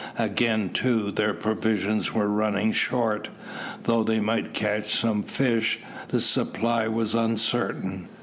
Again, too, their provisions were running short. Though they might catch some fish, the supply was uncertain.